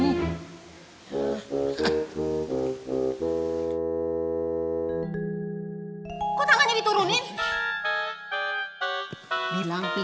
itu si whois yongsi ya